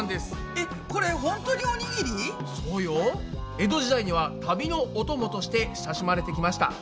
江戸時代には旅のお伴として親しまれてきました。